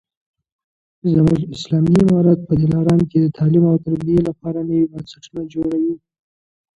زموږ پوهان په دلارام کي د تعلیم او تربیې لپاره نوي بنسټونه جوړوي